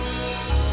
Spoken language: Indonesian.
aisyah tolong aisyah